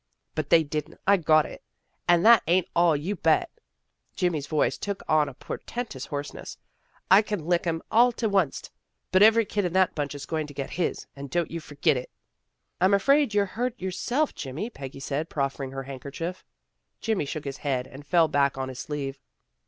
" But they didn't. I got it. And that ain't all, you bet." Jimmy's voice took on a por tentous hoarseness. " I can't lick 'em all to onct, but every kid in that bunch is going to get his, and don't you forgit it." " I'm afraid you're hurt yourself, Jimmy," Peggy said, proffering her handkerchief. Jimmy shook his head and fell back on his sleeve.